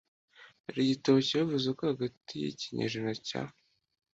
hari igitabo cyavuze ko hagati y ikinyejana cya